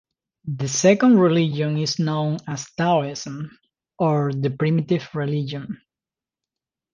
The second religion is known as Taoism or the Primitive religion.